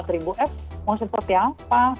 dua puluh empat ribu app mau seperti apa